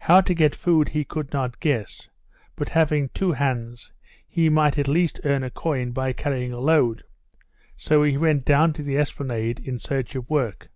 How to get food he could not guess; but having two hands, he might at least earn a coin by carrying a load; so he went down to the Esplanade in search of work.